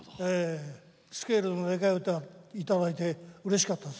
スケールのでかい歌をいただいてうれしかったです。